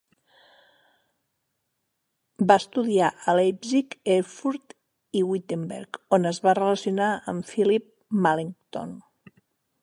Va estudiar a Leipzig, Erfurt i Wittenberg, on es va relacionar amb Philipp Melanchthon.